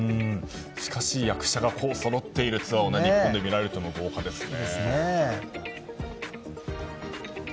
しかし、役者がそろっているこのツアーを日本で見られるというのは豪華ですね。